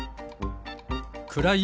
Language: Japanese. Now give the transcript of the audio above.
くらい